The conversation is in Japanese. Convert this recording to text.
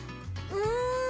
うん！